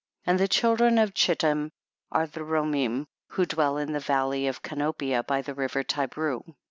16. And the children of Chittim are the Romim who dwell in the valley of Canopia by the river Ti breu.